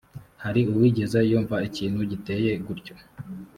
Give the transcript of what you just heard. hari uwigeze yumva ikintu giteye gutyo